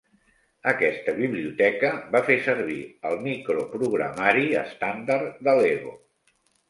Aquesta biblioteca va fer servir el microprogramari estàndard de Lego.